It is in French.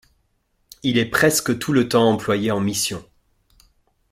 Il est presque tout le temps employé en mission.